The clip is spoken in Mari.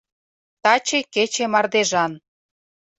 Таче кече мардежан